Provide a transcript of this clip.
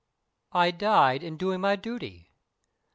I died in doing my duty.